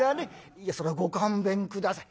「いやそれはご勘弁下さい」。